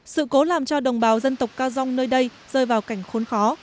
sự cố làm cho đồng bào dân tộc cao rong nơi đây rơi vào cảnh khốn khó